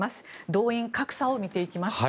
動員格差を見ていきます。